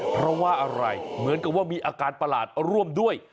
เพราะว่าอะไรเหมือนกับว่ามีอาการประหลาดร่วมด้วย